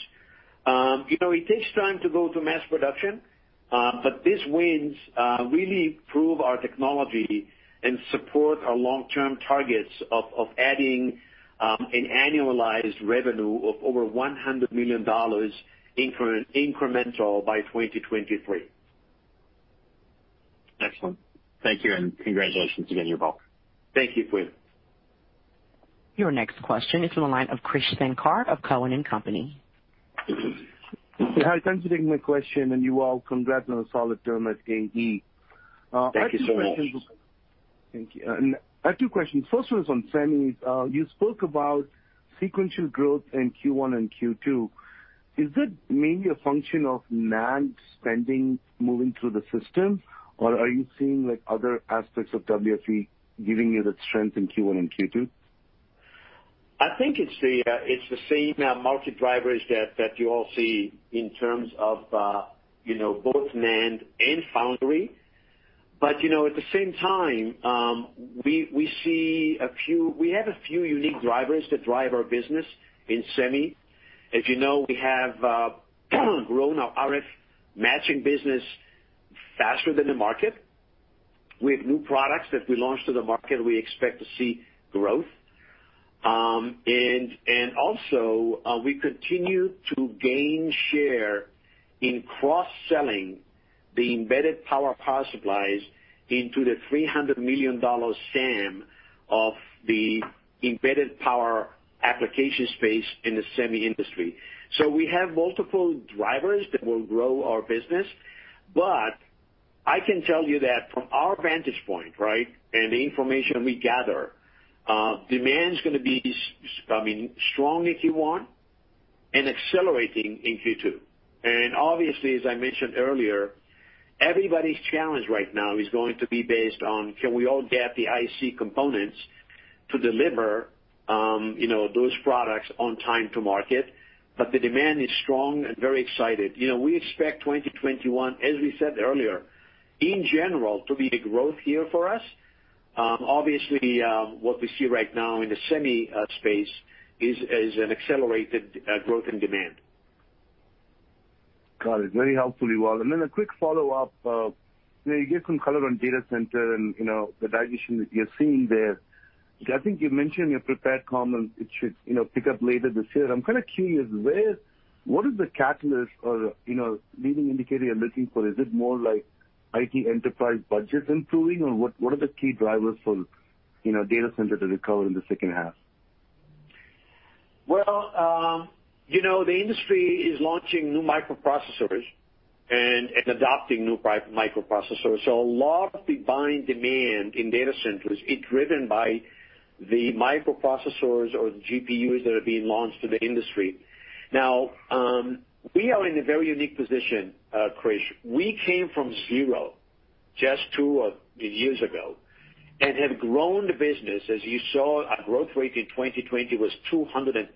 It takes time to go to mass production, but these wins really prove our technology and support our long-term targets of adding an annualized revenue of over $100 million incremental by 2023. Excellent. Thank you, congratulations again, Yuval. Thank you, Quinn. Your next question is on the line of Krish Sankar of Cowen and Company. Hi, thanks for taking my question, and Yuval congrats on a solid term at AE. Thank you so much. Thank you. I have two questions. First one is on semis. You spoke about sequential growth in Q1 and Q2. Is that mainly a function of NAND spending moving through the system, or are you seeing other aspects of WFE giving you that strength in Q1 and Q2? I think it's the same multi-drivers that you all see in terms of both NAND and foundry. At the same time, we have a few unique drivers that drive our business in semi. As you know, we have grown our RF matching business faster than the market. We have new products that we launched to the market, we expect to see growth. Also, we continue to gain share in cross-selling the embedded power supplies into the $300 million SAM of the embedded power application space in the semi industry. We have multiple drivers that will grow our business. I can tell you that from our vantage point, and the information we gather, demand is going to be strong in Q1 and accelerating in Q2. Obviously, as I mentioned earlier, everybody's challenge right now is going to be based on can we all get the IC components to deliver those products on time to market. The demand is strong and very excited. We expect 2021, as we said earlier, in general, to be a growth year for us. Obviously, what we see right now in the semi space is an accelerated growth in demand. Got it. Very helpful, Yuval. A quick follow-up. You gave some color on data center and the digestion that you're seeing there. I think you mentioned in your prepared comment it should pick up later this year. I'm kind of curious, what is the catalyst or leading indicator you're looking for? Is it more like IT enterprise budget improving, or what are the key drivers for data center to recover in the second half? Well, the industry is launching new microprocessors and adopting new microprocessors. A lot of the buying demand in data centers is driven by the microprocessors or the GPUs that are being launched in the industry. Now, we are in a very unique position, Krish. We came from zero just two years ago and have grown the business, as you saw our growth rate in 2020 was 250%.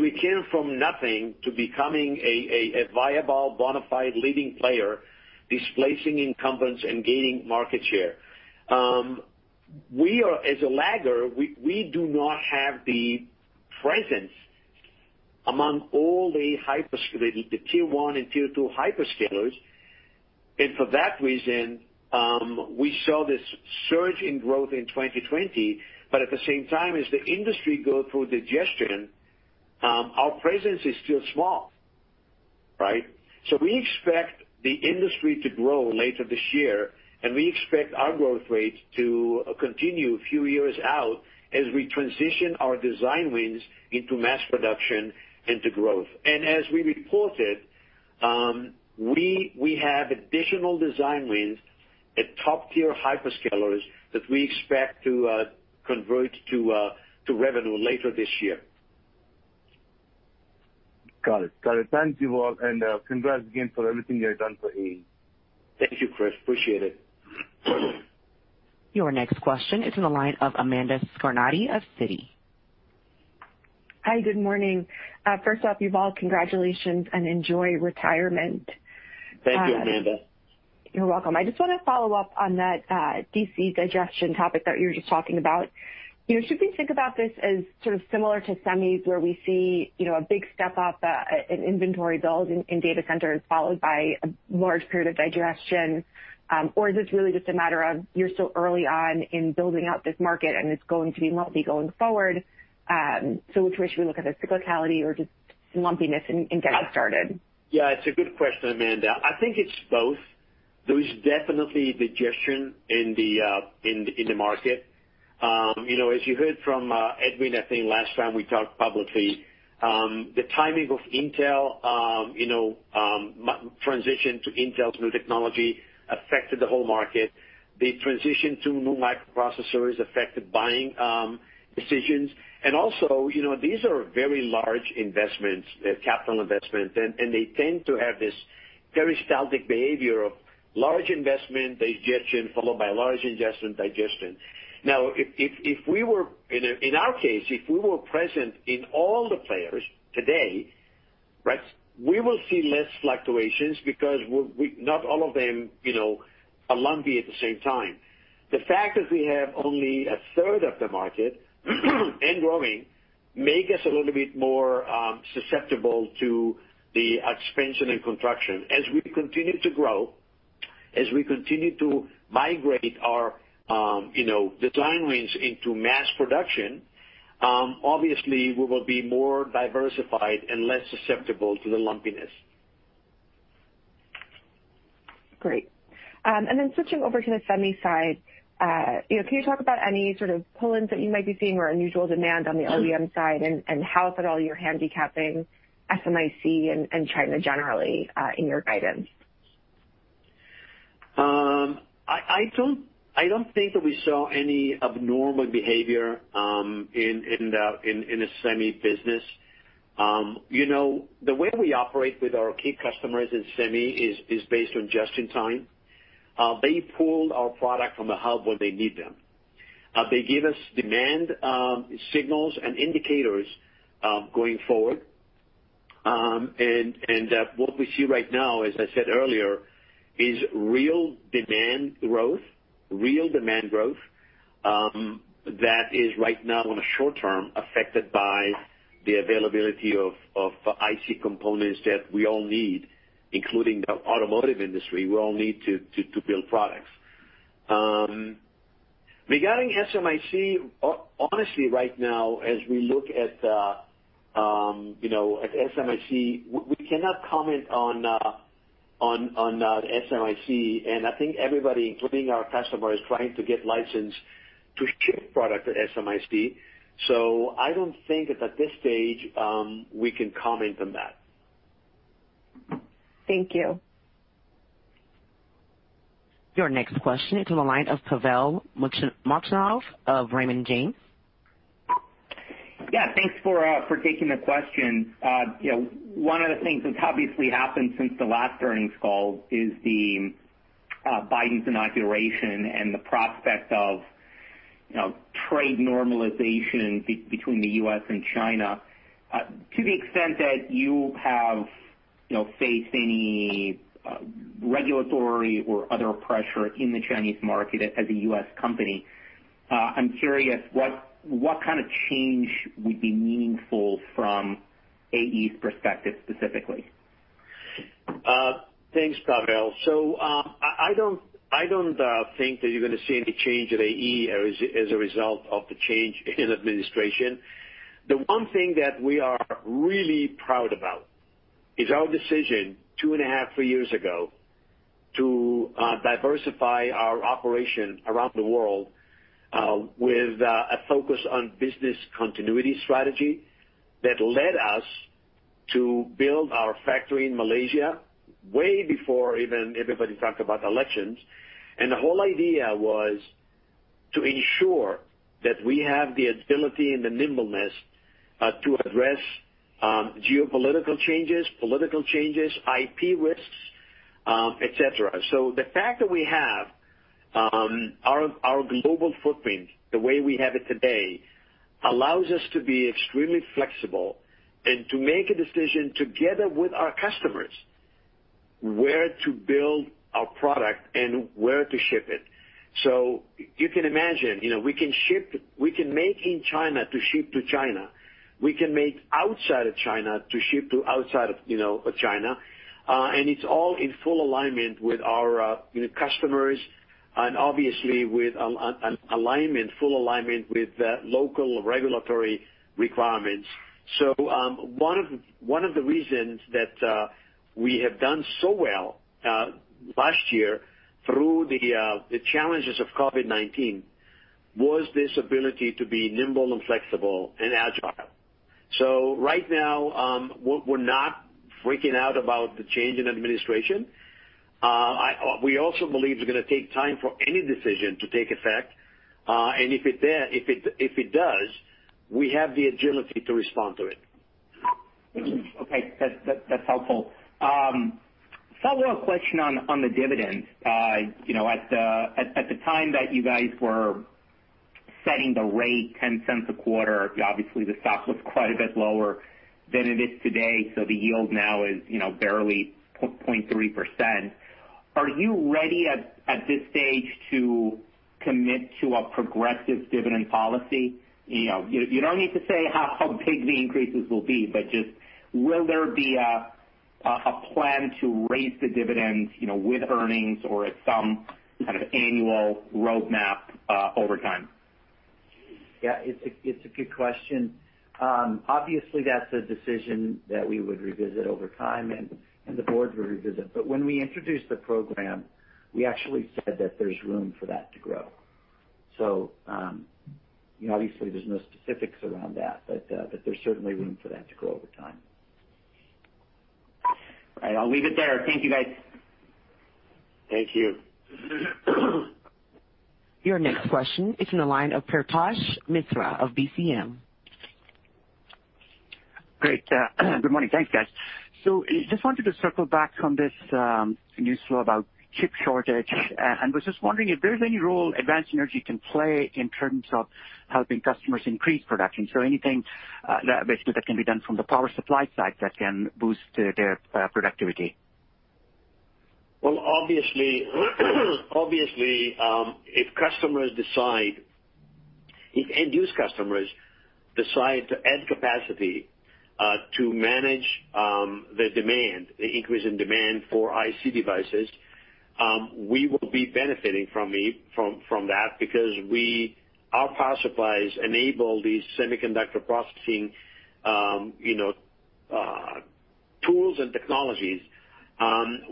We came from nothing to becoming a viable, bona fide leading player, displacing incumbents and gaining market share. A lagger, we do not have the presence among all the Tier 1 and Tier 2 hyperscalers, and for that reason, we saw this surge in growth in 2020. At the same time, as the industry go through digestion, our presence is still small. We expect the industry to grow later this year, and we expect our growth rate to continue a few years out as we transition our design wins into mass production into growth. As we reported, we have additional design wins at top-tier hyperscalers that we expect to convert to revenue later this year. Got it. Thank you, Yuval, and congrats again for everything you have done for AE. Thank you, Krish. Appreciate it. Your next question is on the line of Amanda Scarnati of Citi. Hi, good morning. First off, Yuval, congratulations and enjoy retirement. Thank you, Amanda. You're welcome. I just want to follow up on that DC digestion topic that you were just talking about. Should we think about this as sort of similar to semis, where we see a big step-up in inventory build in data centers followed by a large period of digestion, or is this really just a matter of you're still early on in building out this market and it's going to be lumpy going forward? Which way should we look at it, cyclicality or just lumpiness in getting started? Yeah, it's a good question, Amanda. I think it's both. There is definitely digestion in the market. As you heard from Edwin, I think last time we talked publicly, the timing of Intel's transition to Intel's new technology affected the whole market. The transition to new microprocessors affected buying decisions. Also, these are very large investments, capital investments, and they tend to have this peristaltic behavior of large investment digestion followed by large ingestion digestion. In our case, if we were present in all the players today, we will see less fluctuations because not all of them are lumpy at the same time. The fact that we have only a third of the market and growing make us a little bit more susceptible to the expansion and contraction. As we continue to grow, as we continue to migrate our design wins into mass production, obviously, we will be more diversified and less susceptible to the lumpiness. Great. Switching over to the semi side. Can you talk about any sort of pull-ins that you might be seeing or unusual demand on the ODM side, and how, if at all, you're handicapping SMIC and China generally in your guidance? I don't think that we saw any abnormal behavior in the semi business. The way we operate with our key customers in semi is based on just in time. They pull our product from the hub when they need them. They give us demand signals and indicators going forward. What we see right now, as I said earlier, is real demand growth that is right now on a short term affected by the availability of IC components that we all need, including the automotive industry, we all need to build products. Regarding SMIC, honestly, right now, as we look at SMIC, we cannot comment on SMIC. I think everybody, including our customer, is trying to get licensed to ship product to SMIC. I don't think at this stage, we can comment on that. Thank you. Your next question is on the line of Pavel Molchanov of Raymond James. Yeah, thanks for taking the question. One of the things that's obviously happened since the last earnings call is Biden's inauguration and the prospect of trade normalization between the U.S. and China. To the extent that you have faced any regulatory or other pressure in the Chinese market as a U.S. company, I'm curious, what kind of change would be meaningful from AE's perspective specifically? Thanks, Pavel. I don't think that you're going to see any change at AE as a result of the change in administration. The one thing that we are really proud about is our decision two and a half, three years ago, to diversify our operation around the world, with a focus on business continuity strategy that led us to build our factory in Malaysia way before even everybody talked about elections. The whole idea was to ensure that we have the agility and the nimbleness to address geopolitical changes, political changes, IP risks, et cetera. The fact that we have our global footprint, the way we have it today, allows us to be extremely flexible and to make a decision together with our customers, where to build our product and where to ship it. You can imagine, we can make in China to ship to China. We can make outside of China to ship to outside of China. It's all in full alignment with our customers and obviously with full alignment with local regulatory requirements. One of the reasons that we have done so well last year through the challenges of COVID-19 was this ability to be nimble and flexible and agile. Right now, we're not freaking out about the change in administration. We also believe it's going to take time for any decision to take effect. If it does, we have the agility to respond to it. Okay. That's helpful. Follow-up question on the dividends. At the time that you guys were setting the rate, $0.10 a quarter, obviously the stock was quite a bit lower than it is today, so the yield now is barely 0.3%. Are you ready at this stage to commit to a progressive dividend policy? You don't need to say how big the increases will be, but just will there be a plan to raise the dividends with earnings or at some kind of annual roadmap over time? Yeah, it's a good question. Obviously, that's a decision that we would revisit over time, and the board will revisit. When we introduced the program, we actually said that there's room for that to grow. Obviously there's no specifics around that, but there's certainly room for that to grow over time. All right, I'll leave it there. Thank you, guys. Thank you. Your next question is on the line of Paretosh Misra of BCM. Great. Good morning. Thanks, guys. Just wanted to circle back on this news flow about chip shortage, and was just wondering if there's any role Advanced Energy can play in terms of helping customers increase production. Anything that basically can be done from the power supply side that can boost their productivity. Well, obviously, if end-use customers decide to add capacity to manage the demand, the increase in demand for IC devices, we will be benefiting from that because our power supplies enable these semiconductor processing tools and technologies.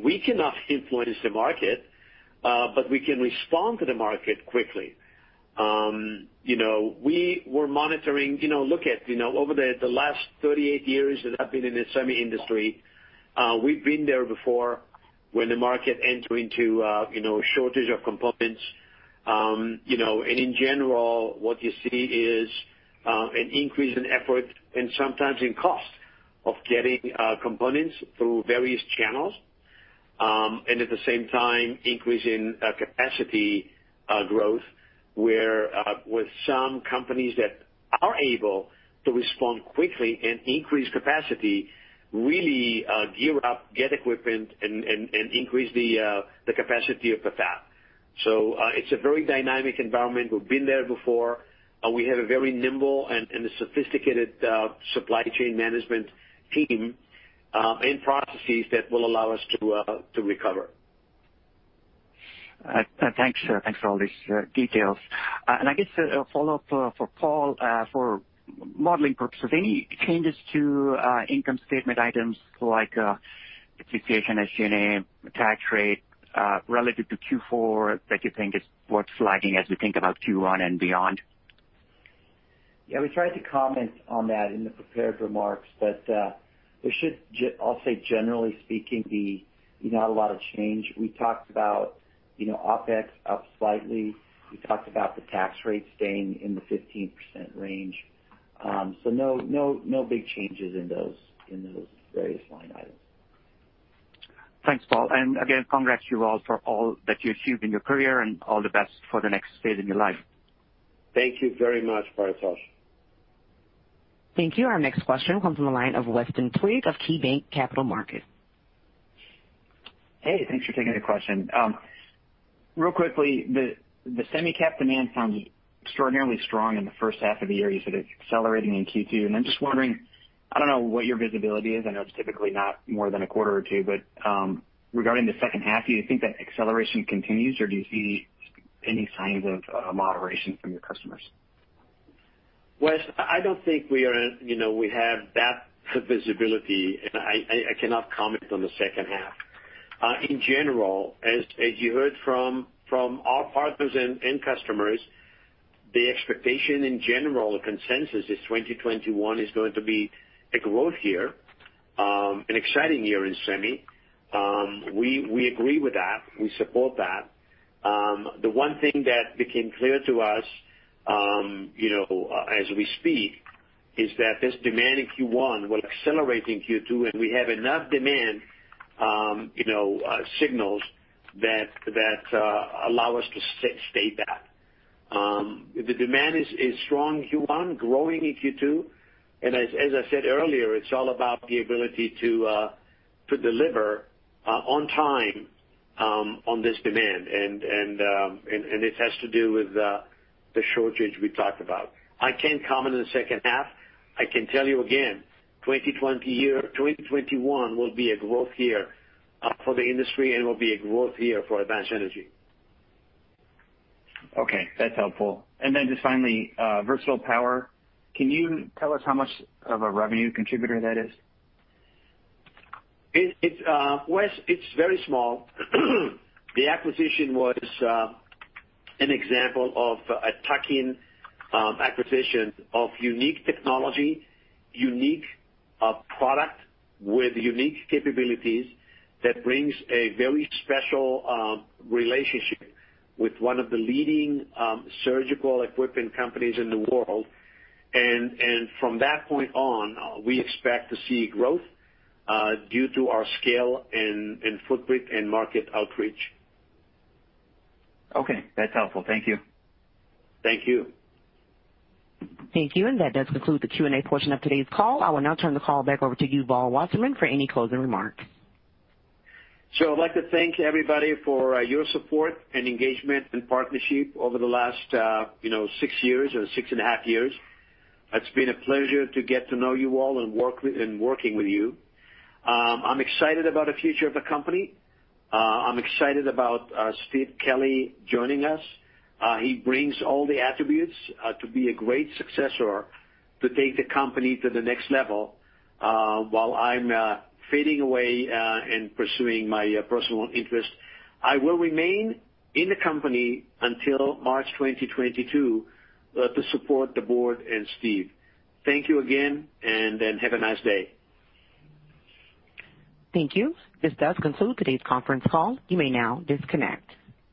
We cannot influence the market, we can respond to the market quickly. We were monitoring. Look at over the last 38 years that I've been in the semi industry, we've been there before when the market enters into shortage of components. In general, what you see is an increase in effort and sometimes in cost of getting components through various channels, and at the same time, increase in capacity growth, where with some companies that are able to respond quickly and increase capacity, really gear up, get equipment, and increase the capacity of the fab. It's a very dynamic environment. We've been there before. We have a very nimble and a sophisticated supply chain management team, and processes that will allow us to recover. Thanks for all these details. I guess a follow-up for Paul, for modeling purposes, any changes to income statement items like depreciation, SG&A, tax rate relative to Q4 that you think is worth flagging as we think about Q1 and beyond? Yeah, we tried to comment on that in the prepared remarks, but there should, I'll say generally speaking, be not a lot of change. We talked about OpEx up slightly. We talked about the tax rate staying in the 15% range. No big changes in those various line items. Thanks, Paul. Again, congrats Yuval for all that you achieved in your career and all the best for the next phase in your life. Thank you very much, Paretosh. Thank you. Our next question comes from the line of Weston Twigg of KeyBanc Capital Markets. Hey, thanks for taking the question. Real quickly, the semi-cap demand sounds extraordinarily strong in the first half of the year. You said it's accelerating in Q2, and I'm just wondering, I don't know what your visibility is. I know it's typically not more than a quarter or two, but regarding the second half, do you think that acceleration continues, or do you see any signs of moderation from your customers? Wes, I don't think we have that visibility, and I cannot comment on the second half. In general, as you heard from our partners and customers, the expectation in general, the consensus, is 2021 is going to be a growth year, an exciting year in semi. We agree with that. We support that. The one thing that became clear to us as we speak is that this demand in Q1 will accelerate in Q2, and we have enough demand signals that allow us to state that. The demand is strong in Q1, growing in Q2, and as I said earlier, it's all about the ability to deliver on time on this demand, and it has to do with the shortage we talked about. I can't comment on the second half. I can tell you again, 2021 will be a growth year for the industry and will be a growth year for Advanced Energy. Okay, that's helpful. Just finally, Versatile Power. Can you tell us how much of a revenue contributor that is? Wes, it's very small. The acquisition was an example of a tuck-in acquisition of unique technology, unique product with unique capabilities that brings a very special relationship with one of the leading surgical equipment companies in the world. From that point on, we expect to see growth due to our scale and footprint and market outreach. Okay, that's helpful. Thank you. Thank you. Thank you. That does conclude the Q&A portion of today's call. I will now turn the call back over to you, Yuval Wasserman, for any closing remarks. I'd like to thank everybody for your support and engagement and partnership over the last six years or six and a half years. It's been a pleasure to get to know you all and working with you. I'm excited about the future of the company. I'm excited about Steve Kelley joining us. He brings all the attributes to be a great successor to take the company to the next level while I'm fading away and pursuing my personal interests. I will remain in the company until March 2022 to support the board and Steve. Thank you again, and have a nice day. Thank you. This does conclude today's conference call. You may now disconnect.